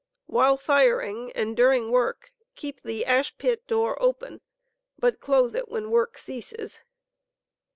While firing, and during work, keep the ash pit door, open, but close it when work censes.